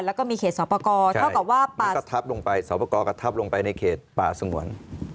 แล้วก็มีเขตสอปกรเท่ากับว่ามันกระทับลงไปสอปกรกระทับลงไปในเขตป่าสงวน